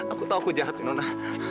aku tahu aku jahat nona